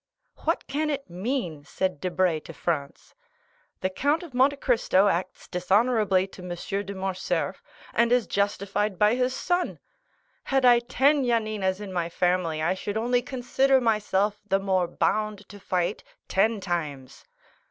"What can it mean?" said Debray to Franz. "The Count of Monte Cristo acts dishonorably to M. de Morcerf, and is justified by his son! Had I ten Yaninas in my family, I should only consider myself the more bound to fight ten times."